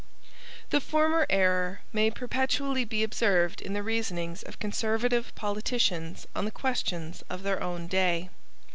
The former error may perpetually be observed in the reasonings of conservative politicians on the questions of their own day.